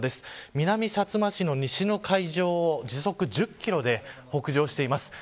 南さつま市の西の海上を時速１０キロで北上しています。